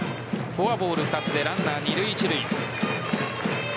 フォアボール２つでランナー二塁・一塁。